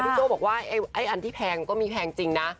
โจ้บอกว่าไอ้อันที่แพงก็มีแพงจริงนะ